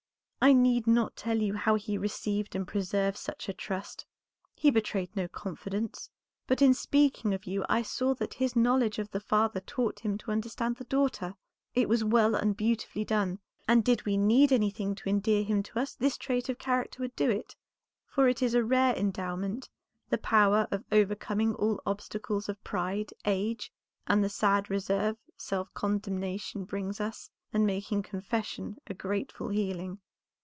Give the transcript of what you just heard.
I need not tell you how he received and preserved such a trust. He betrayed no confidence, but in speaking of you I saw that his knowledge of the father taught him to understand the daughter. It was well and beautifully done, and did we need anything to endear him to us this trait of character would do it, for it is a rare endowment, the power of overcoming all obstacles of pride, age, and the sad reserve self condemnation brings us, and making confession a grateful healing."